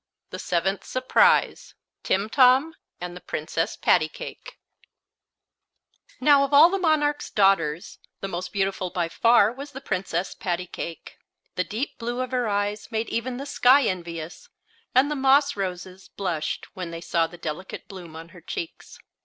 The Seventh Surprise TIMTOM AND THE PRINCESS PATTYCAKE Now of all the monarch's daughters the most beautiful by far was the Princess Pattycake. The deep blue of her eyes made even the sky envious, and the moss roses blushed when they saw the delicate bloom on her cheeks.